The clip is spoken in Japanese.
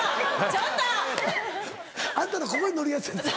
ちょっと！あんたのここに乗るやつやな。